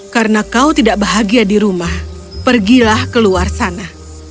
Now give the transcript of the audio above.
karena kau tidak bahagia di rumah pergilah ke luar sana